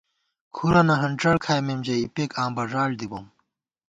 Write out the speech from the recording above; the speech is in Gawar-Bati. کُھرَنہ ہنڄڑ کھائیمېم ژَئی، اِپېک آں بݫاڑ دِی بوم